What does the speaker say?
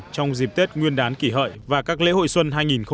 trong dịp tết nguyên đán kỷ hợi và các lễ hội xuân hai nghìn một mươi chín